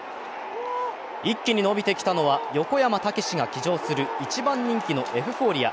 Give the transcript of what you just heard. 一気に伸びてきたのは横山武史が騎乗する１番人気のエフフォーリア。